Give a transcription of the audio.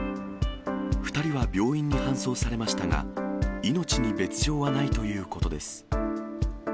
２人は病院に搬送されましたが、命に別状はないということです。